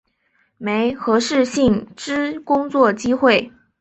媒合适性之工作机会